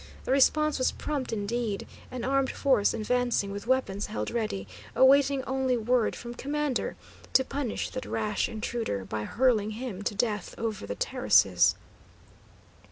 The response was prompt indeed, an armed force advancing with weapons held ready, awaiting only word from commander to punish that rash intruder by hurling him to death over the terraces.